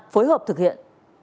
phối hợp thực hiện